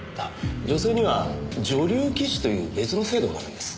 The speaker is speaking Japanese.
女性には女流棋士という別の制度があるんです。